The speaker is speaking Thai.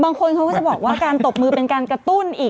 บางคนเขาก็จะบอกว่าการตบมือเป็นการกระตุ้นอีก